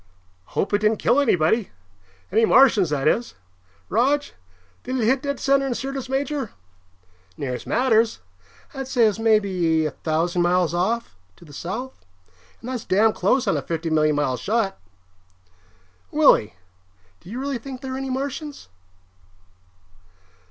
"Hope it didn't kill anybody. Any Martians, that is. Rog, did it hit dead center in Syrtis Major?" "Near as matters. I'd say it was maybe a thousand miles off, to the south. And that's damn close on a fifty million mile shot. Willie, do you really think there are any Martians?"